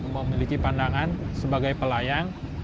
memiliki pandangan sebagai pelayang